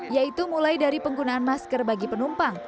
yaitu mulai dari penggunaan masker bagi penumpang